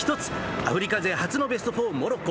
アフリカ勢初のベスト４、モロッコ。